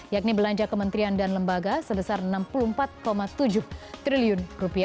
yakni belanja kementerian dan lembaga sebesar rp enam puluh empat tujuh triliun